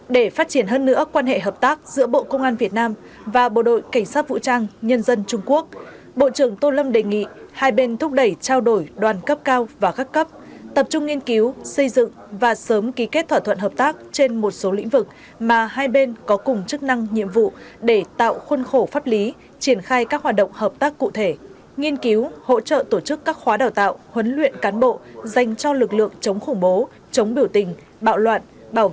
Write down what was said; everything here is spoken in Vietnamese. để phát triển hơn nữa quan hệ hợp tác giữa bộ công an việt nam và bộ đội cảnh sát vũ trang nhân dân trung quốc bộ trưởng tô lâm đề nghị hai bên thúc đẩy trao đổi đoàn cấp cao và các cấp tập trung nghiên cứu xây dựng và sớm ký kết thỏa thuận hợp tác trên một số lĩnh vực mà hai bên có cùng chức năng nhiệm vụ để tạo khuân khổ pháp lý triển khai các hoạt động hợp tác cụ thể nghiên cứu hỗ trợ tổ chức các khóa đào tạo huấn luyện cán bộ dành cho lực lượng chống khủng bố chống biểu tình b